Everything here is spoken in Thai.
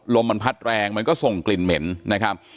ลมมันพัดแรงมันก็ส่งกลิ่นเหม็นนะครับ